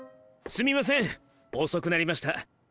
すみません遅くなりました。